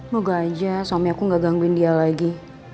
moga aja suami aku gak gangguin dia lagi